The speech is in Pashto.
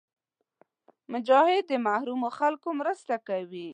مجاهد د محرومو خلکو مرسته کوي.